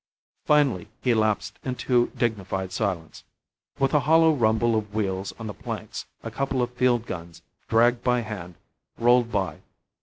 Finally he lapsed into dignified silence. With a hollow rumble of wheels on the planks a couple of field guns, dragged by hand, rolled by.